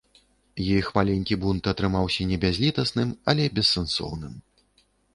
Іх маленькі бунт атрымаўся не бязлітасным, але бессэнсоўным.